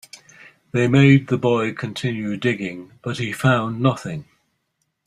They made the boy continue digging, but he found nothing.